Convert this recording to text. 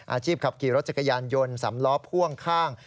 อาชีพขับขี่รถจักรยานยนต์สำล้อพ่วงข้าง